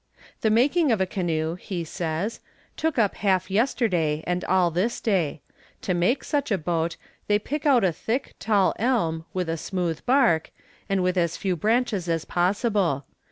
"The making of the canoe," he says, "took up half yesterday and all this day. To make such a boat, they pick out a thick, tall elm, with a smooth bark, and with as few branches as possible.